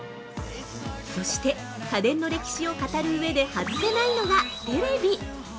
◆そして、家電の歴史を語る上で外せないのがテレビ。